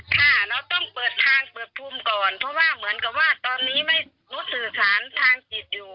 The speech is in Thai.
ค่ะเราต้องเปิดทางเปิดภูมิก่อนเพราะว่าเหมือนกับว่าตอนนี้ไม่รู้สื่อสารทางจิตอยู่